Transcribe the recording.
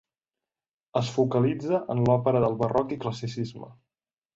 Es focalitza en l'òpera del barroc i classicisme.